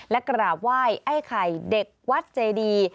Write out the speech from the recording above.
และกราบไหว้ไอ้ไข่เด็กวัดเจดี